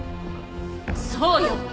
そうよ。